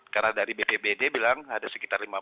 karena dari bbbd bilang ada sekitar lima belas